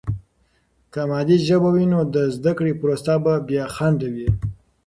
که مادي ژبه وي، نو د زده کړې پروسه به بې خنډه وي.